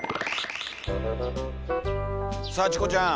さあチコちゃん。